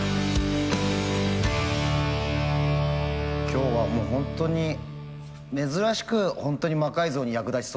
今日はもうホントに珍しくホントに魔改造に役立ちそうな。